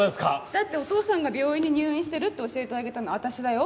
だってお父さんが病院に入院してるって教えてあげたの私だよ？